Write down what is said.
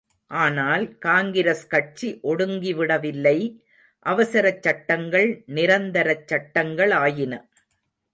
ஆனால், காங்கிரஸ் கட்சி ஒடுங்கிவிடவில்லை... அவசரச் சட்டங்கள் நிரந்தரச் சட்டங்களாயின.